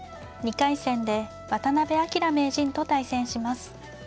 ２回戦で渡辺明名人と対戦します。